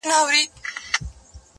فلمونه د ژوند حقیقتونه بیانوي